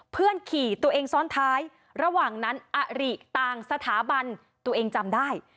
เพื่อนขี่ตัวเองซ้อนท้ายระหว่างนั้นอริต่างสถาบันตัวเองจำได้